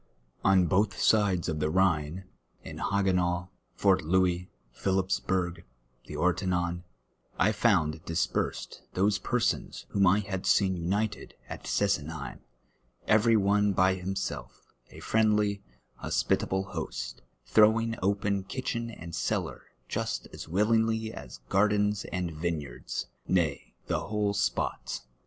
On botli sides of the llliine, in Ilaj^enau, Fort Louis, Phillpps burg, the Orteniin, I found dispersed those persons wliom I had seen united at Scsenheim, every one by himself, a friendly, h()sj)itable host, t]n o\vinf; oj^en Idtehen and cellar just as "wil linu:ly as gjuxlens and vineyards, nay, the whole spot.